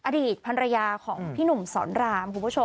อดีตภรรยาของพี่หนุ่มสอนรามคุณผู้ชม